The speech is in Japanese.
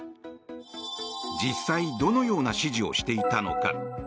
実際、どのような指示をしていたのか？